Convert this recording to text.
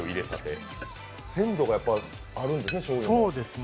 鮮度があるんですね、しょうゆにも。